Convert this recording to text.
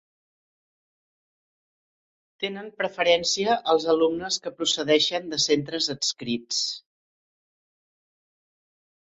Tenen preferència els alumnes que procedeixen de centres adscrits.